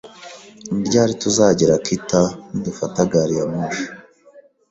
Ni ryari tuzagera Akita nidufata gari ya moshi